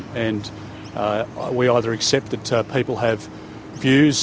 dan kita sekalian mengakui bahwa orang orang memiliki